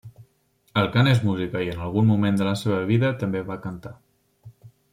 El cant és música i en algun moment de la seva vida també va cantar.